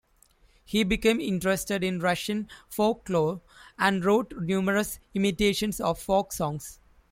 He became interested in Russian folklore and wrote numerous imitations of folk songs.